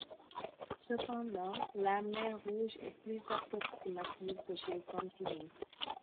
Cependant, la mer Rouge est plus approximative que chez Cantino.